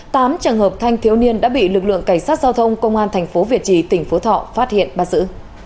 tám trường hợp thanh thiếu niên đã bị lực lượng cảnh sát giao thông công an thành phố việt trì tỉnh phú thọ phát hiện bắt giữ